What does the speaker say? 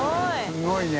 すごいね。